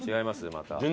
また。